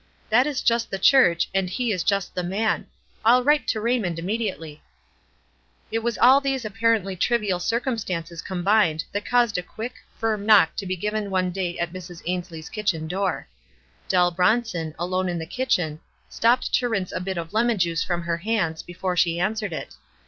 That is just the church, and he is just the man. I'll w T rite to Raymond im mediately." It w r as all these apparently trivial circum stances combined that caused a quick, firm knock to be given one day at Mrs. Ainslie's kitchen door. Dell Bronson, alone in the kitchen, stopped to rinse a bit of lemon juice from her hands before she answered it.